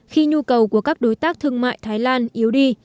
khi nhu cầu của các đối tác thương mại thái lan yếu đi